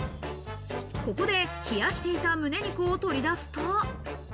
ここで冷やしていた胸肉を取り出すと。